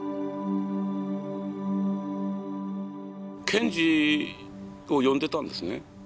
賢治を読んでたんですね。